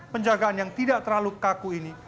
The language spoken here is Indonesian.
penjagaan yang tidak terlalu kaku ini